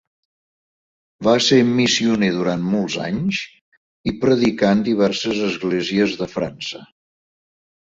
Va ser missioner durant molts anys i predicà en diverses esglésies de França.